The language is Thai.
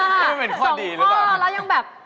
ไม่เห็นข้อดีหรือเปล่าสองข้อแล้วยังแบบ